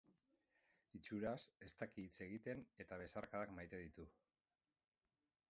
Itxuraz, ez daki hitz egiten eta besarkadak maite ditu.